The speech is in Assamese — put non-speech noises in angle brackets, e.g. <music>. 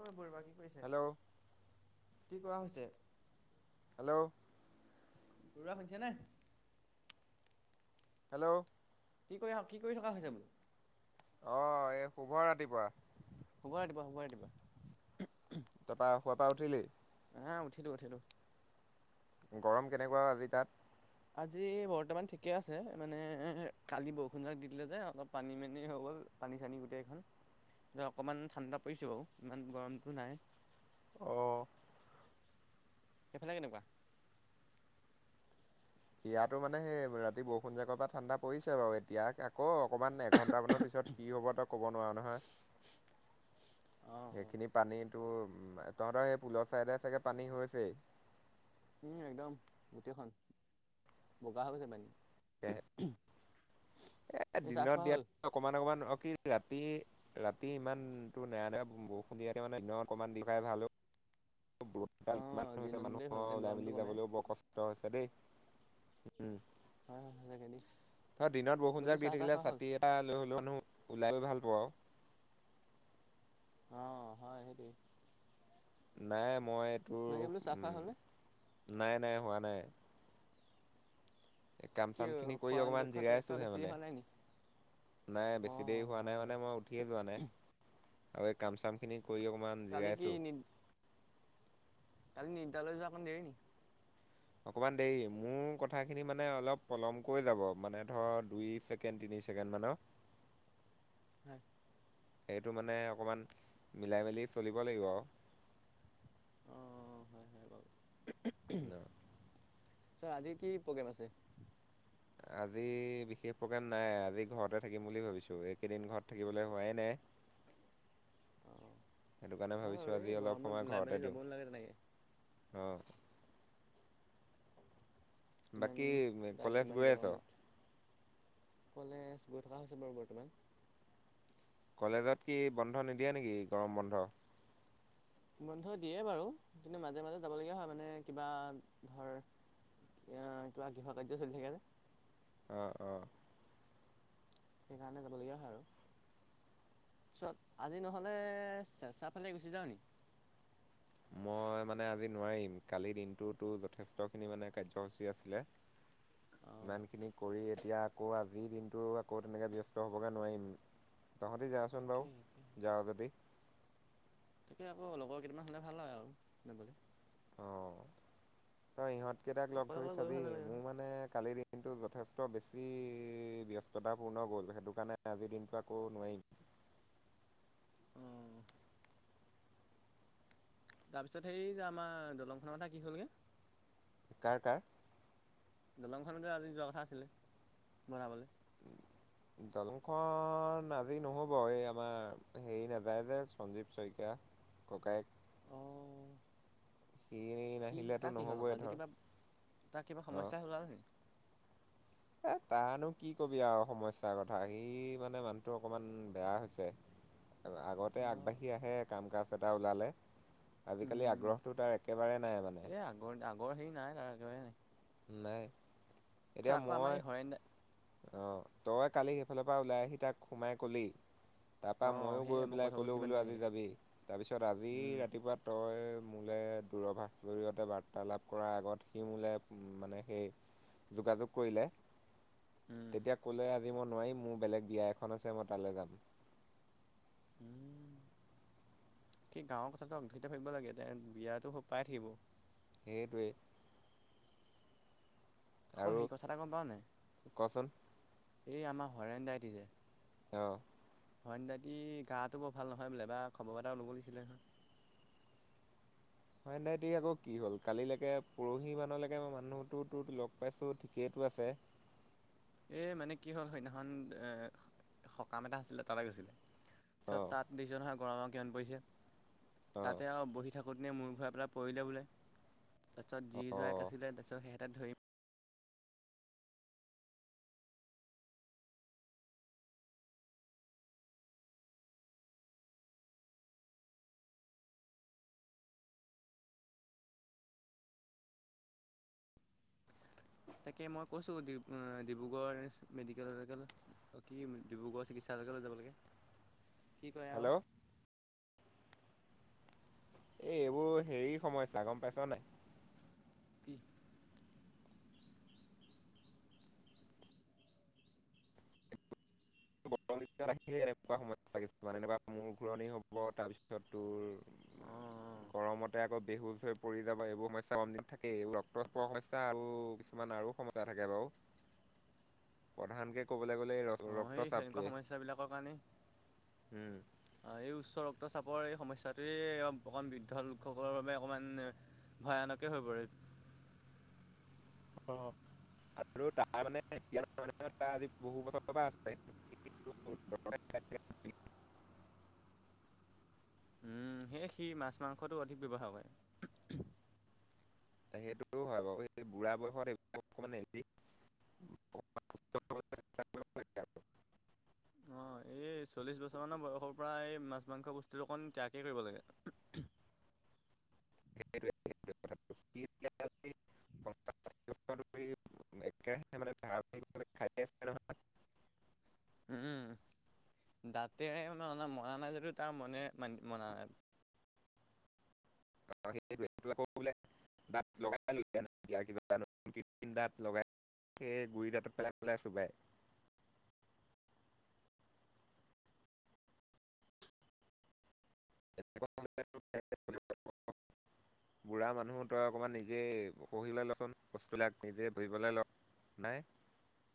অ বৰুৱা কি কৰিছে হেল্ল' কি কৰা হৈছে হেল্ল' ৰৰুৱা শুনিছে নে হেল্ল' কি কৰি কি কৰি থকা হৈছে বোলো অ এই শুভ ৰাতিপুৱা হুব দিবা হুবাৰে দিবা খোৱা পৰা উঠিলেই আহ উঠিলো উঠিলো গৰম কেনেকুৱা আজি তাত আজি বৰ্তমান ঠিকে আছে মানে কালি বৰষুণ জাক দি দিলে যে অলপ পানী মানি হৈ গ'ল পানী চানী গোটেইখন এতিয়া অকণমান ঠাণ্ডা পৰিছোঁ বাৰু ইমান গৰমটো নাই আহ সেইফালে কেনেকুৱা ইয়াতো মানে সেই ৰাতি বৰষুণ জগৰ পৰা ঠাণ্ডা পৰিছে বাৰু এতিয়া আকৌ অকমান এঘন্ট মানৰ পিছত কি হ'ব ত ক'ব নোৱাৰা নহয় <unintelligible> অঁ সেইখিনি পানীতো উ তহঁতৰ সেই পুলৰ চাইদে চাগে পানী হৈছেই উম একদম গোটেইখন বগা হৈ গৈছে পানী সেয়ে এ এই চাহ দিনত খোৱা হ'ল? দিয়াত অকমান অকমান অকিল ৰাতি ৰাতি ৰাতি ইমানতটো নাই ন বৰষুণ দিযাতে মানে দিন অকণমান দি খাই ভাল ইমান অঁ হৈছে দিনত দিলেই হ'ল মানুহৰ তেতিয়া ওলাই গৰমটো মেলি কমে। যাবলৈও বৰ কষ্ট হৈছে দেই উম, হয় হয় সঁচাকে দেই। ধ, দিনত বৰষুণ বাকী জাক দি চাহ তাহ থাকিলে খোৱা হ'ল? ছাতি এটা লৈ হ'লোও নো। ওলাই আহি ভাল পাওঁ আৰু। অ, হয় সেইটোৱে। নাই মই এইটোৰ, চাহ খোৱা হ'লনে? নাই নাই হোৱা নাই। কাম কি চাম খিনি কৰি শয়ন অকমান কক্ষত ইয়াতকৈ জিৰাইছোহে বেছি মানে। হোৱা নাই নি নাই অ বেছি দেৰি হোৱা হয় নাই, হয় মানে মই উঠিয়ে যোৱা নাই। আৰু এই কাম-চাম খিনি কৰি অকমান কালি কি জৰাইছো। নিদ দালৈ যোৱা অকন দেৰি নেকি? অকমান দেৰি মোৰ কথাখিনি মানে অলপ পলমকৈ যাব মানে ধৰ দুই ছেকেণ্ড তিনি তিনি ছেকেণ্ড মানৰ। হয়। সেইটো মানে অকণমা, মিলাই মেলি চলিব লাগিব আৰু। অ হয় হয় চ, আজি কি প্ৰগ্ৰেম আছে। আজি বিশেষ প্ৰগ্ৰেম নাই, আজি ঘৰতে থাকিম বুলি ভাবিছো এইকেইদিন ঘৰত থাকিবলৈ হোৱাই নাই। অ সেইটো কাৰণে হয় বাৰু ভাবিছোঁ এই আজি অলপ গৰমত সময় ওলাই মেলি ঘৰতে যাব দিওঁ। নালাগে তেনেকৈ অ, ইমান বাকী কলেজ ইমান গৈ আছ। গৰমত কলেজ গৈ থকা হৈছে বাৰু বৰ্তমান। কলেজত কি বন্ধ নিদিয়ে নেকি, গৰম বন্ধ। বন্ধ দিয়ে বাৰু। কিন্তু মাজে মাজে যাবলগীয়া হয় মানে কিবা ধৰ। কিবা গৃহ কাৰ্য চলি থাকে। অ, অ, সেইকাৰণে যাবলগীয়া হয় আৰু। তাৰপিছত আজি নহ'লে চেচাফালে গুচি যাওঁ নেকি। মই মানে আজি নোৱাৰিম, কালিৰ দিনটোতো যথেষ্টখিনি মানে কাৰ্যসূচী আছিলে। অঁ ইমানখিনি কৰি এতিয়া আকৌ আজিৰ দিনটো আকৌ তেনেকৈ ব্যস্ত হ'বগৈ নোৱাৰিম। তহঁতে যাচোন তাকে তাকে বাৰু যাওঁ যদি। তাকে আকৌ লগৰ কেইটিনান হ'লে ভাল হয় আৰু যাবলৈ। অ, তই ইহঁতকেইটাক লগ অকলে ধৰি অকলে গৈ চাবি ভাল নালাগে নহয়। মোৰ মানে কালি দিনটো য যথেষ্ট বেছি ব্যস্ততাপূৰ্ণ গ'ল, সেইটো কাৰণে আজিৰ দিনটো আকৌ নোৱাৰিম। অ', তাৰপিছত সেই যে আমাৰ দলংখনৰ কথা কি হ'লগৈ। কাৰ, কাৰ। দলংখনতে আজি যোৱা কথা আছিলে, বনাবলৈ। দলংখন আজি নহ'ব এই আমাৰ হেৰি নাযায় যে সঞ্জীৱ শইকীয়া। ককাইক। অ'। সি, নাহিলেতো তাক কি হ'ল আকৌ নহ'বই আজি ধৰ কিবা তা কিবা অ সমস্যা ওলালে নেকি? এ, তানো কি কবি আৰু সমস্যাৰ কথা সি মানে মানুহটো অকণমান বেয়া হৈছে। আগতে আগবাঢ়ি আহে, কাম কাজ এটা ওলালে। আজিকালি উম, আগ্ৰহটো তাৰ একেবাৰে নাই মানে। এই আগৰ আগৰ হেৰি নাই তাৰ নাই। ছা, এতিয়া আকৌ আমাৰ মই হয় নাই। অ, তই কালি সেইফালৰ পৰা ওলাই আহি তাক সোমাই কলি। তাৰপা অ', মইয়ো গৈ সেয়ে মই কৈ পেলাই থৈ গৈছোঁ কলোও ইমান বোলো আজি ধুনীয়াকৈ যাবি তাৰপিছত আজি উম, ৰাতিপুৱা তই। মোলে দূৰভাস জৰিয়তে বাৰ্তালাপ কৰাৰ আগত সি মোলে। উ, মানে সেই যোগাযোগ কৰিলে, উম, তেতিয়া ক'লে। নোৱাৰিম মোৰ বেলেগ বিয়া এখন আছে মই তালৈ যাম। উম, সি গাঁৱৰ কথাটো অ' ধৰি ভাবিব লাগে বিয়াতটো পাই থাকিব। সেইটোৱে। আকৌ সেই কথা এটা গম পাওঁনে কচোন এই আমাৰ হাৰেণ্ ডাইটি যে অ' হয় নদাইটি গাটো বৰ ভাল নহয় বোলে বাৰ খবৰ এটাও ল'ব ল দিছিলে নহয়। <unintelligible> হয় নাই তি আকৌ কি হ'ল কালিলৈকে পৰহি মানলৈকে মই মানুহতো তো লগ পাইছো ঠিকেইটো আছে। এ মানে কি হ'ল সেইদিনাখন এ সকাম এটা আছিলে তালৈ গৈছিলে। পিত অঁ তাত দ্যহাৰ গৰমৰ কিমান পৰিছে অঁ তাতে আৰু বহি থাকো আাকৌত নিয়ে মোৰ ঘৰৰ পৰা পৰিলে বোলে তাৰপিছত যি যো এক অঁ আছিলে তাৰপিছত সেইহঁতে ধৰিম তাকে মই কৈছোঁ ডিব্ৰুগড় মেডিকেলেল কি ডিব্ৰুগড় চিকিৎসালয় লৈ যাব লাগে কি কৰে আৰু। হেল্ল' এ এইবোৰ হেৰি সমস্যা গম পাইছ নাই। কি? ৰ আহিলে এনেকুৱা সমস্যা কিছমান এ মোৰ ঘূুৰণি হ'ব তাৰপিছত তোৰ অ'। গৰমতে আকৌ বেহুচ হৈ পৰি যাব এইবোৰ সমস্যা মম্ত থাকেই এই ৰক্তচপ সমস্যা আৰু কিছুমান আৰু সমস্যা থাকে বাৰু। <unintelligible> প্ৰধান কে ক'বলৈ গ'লে এই ৰ অ', সেই সনেকুৱা সমস্যাবিলাকৰ কাৰণে উম এই উচ্চ ৰক্ত চাপ ৰ এই সমস্টোৱে অকণমান বৃদ্ধ লোকসকলৰ বাবে অকণমান ভয়ানকে হৈ পৰে। অ'। আৰু তাৰ মানে এতিয়া মহ তাৰ আজি বহু বছৰৰ পৰা আছে। উম। উম, সেয়ে সি মাছ মাংসটো অধিক ব্যৱহাৰ কৰে। সেইটো হয় বাৰু এই বুঢ়া বয়সত এইবিলাক অকমান এৰি অকমান <inaudible> <unintelligible> অ' এই এই চল্লিশ বছৰ মানৰ বয়সৰ পৰা এই মাছ মাংস বস্তুটো অকন ত্যাগেই কৰিব লাগে। <unintelligible> <unintelligible> একে মানে ধৰে খাই আছে নহয়। উম, দাতোনে মৰা নাই যদিও তাৰ মনে মানি মনানাই। সেইটোৱে, সেইটো আকো বোলে দাঁত লগাইয়া কিবা দাঁত লগাই সই গুৰি তাঁত পেলাই পেলাই চুবাই। <inaudible> এনেকুৱা হ'লে তোৰ খাই <inaudible> বুঢ়া মানুহ তই অকমান নিজে পহিবলৈ লচোন বস্তুবিলাক নিজে বহিবলৈ ল। নাই।